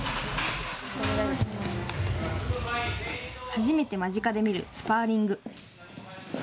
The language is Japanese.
初めて間近で見るスパーリング。